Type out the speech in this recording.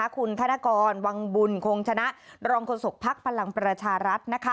คุณธนกรวังบุญโครงชนะดรองคนสกพรรคพลังประชารัฐ